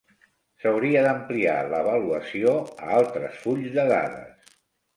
S'hauria d'ampliar l'avaluació a altres fulls de dades.